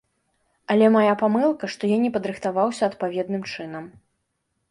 Але мая памылка, што я не падрыхтаваўся адпаведным чынам.